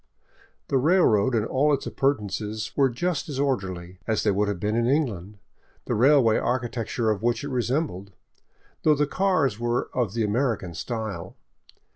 The railroad and all its appur tenances were just as orderly as they would have been in England, the railway architecture of which It resembled, though the cars were of the American style.